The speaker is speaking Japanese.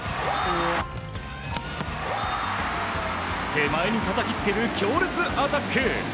手前にたたきつける強烈アタック！